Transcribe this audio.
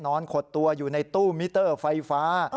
ขดตัวอยู่ในตู้มิเตอร์ไฟฟ้า